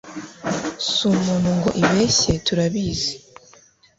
su muntu ngo ibeshye turabizi